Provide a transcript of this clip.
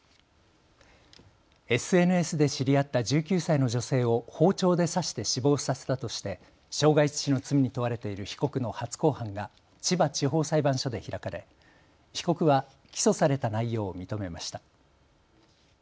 ＳＮＳで知り合った１９歳の女性を包丁で刺して死亡させたとして傷害致死の罪に問われている被告の初公判が千葉地方裁判所で開かれ被告は起訴された内容を認めました。